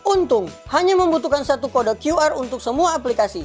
untung hanya membutuhkan satu kode qr untuk semua aplikasi